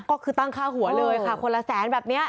ก็คือตั้งค่าหัวเลยค่ะคนละแสนแบบนี้